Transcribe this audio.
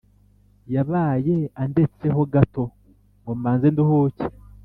Yabaye andetse ho gato ngo mbanze nduhuke